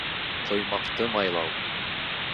Ҡоймаҡты майлау